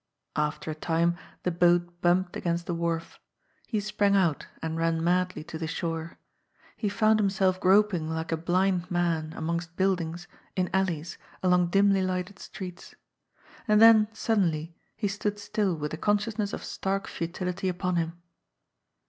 After a time the boat bumped against the wharf. He sprang out and ran madly to the shore. He found himself groping like a blind man amongst buildings, in alleys, along dimly lighted streets. And then suddenly he stood still with the consciousness of stark futility upon him.